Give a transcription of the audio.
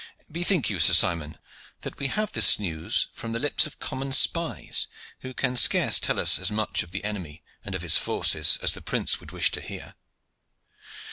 Bethink you, Sir Simon, that we have this news from the lips of common spies, who can scarce tell us as much of the enemy and of his forces as the prince would wish to hear."